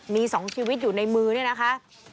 มี๒ชีวิตอยู่ในมือเนี่ยนะคะ